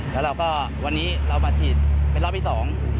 แล้วเราก็วันนี้เรามาฉีดเป็นรอบที่สอง